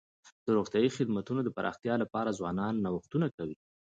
د روغتیايي خدمتونو د پراختیا لپاره ځوانان نوښتونه کوي.